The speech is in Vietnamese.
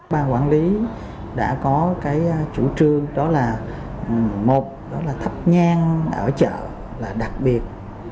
ba quản lý đã có cái chủ trương đó là một đó là thắp nhang ở chợ là đặc biệt